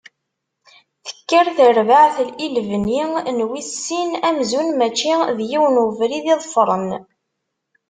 Tekker terbaɛt i lebni n wis sin, amzun mačči d yiwen n ubrid i ḍefren.